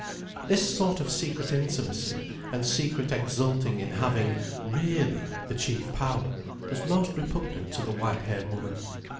This sort of secret intimacy and secret exulting in having, really, the chief power, was most repugnant to the white haired woman.